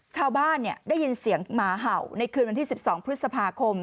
ได้ยินเสียงหมาเห่าในคืนวันที่๑๒พฤษภาคม